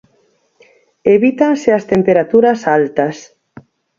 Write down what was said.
Evítanse as temperaturas altas.